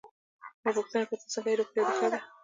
ما پوښتنه وکړه: ته څنګه ېې، روغتیا دي ښه ده؟